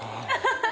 ハハハ！